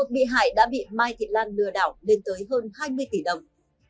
một mươi một bị hại đã bị mai thị lan lừa đảo lên tới hơn hai mươi tỷ đồng